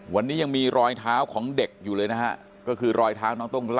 วันนี้ยังมีรอยท้าวของเด็กอยู่เลยนะฮะก็คือรอยท้าน้อง